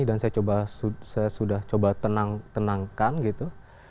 dan saya sudah coba tenangkan gitu